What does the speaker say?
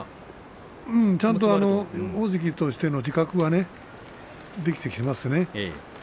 ちゃんと大関としての自覚はできてきていますよね。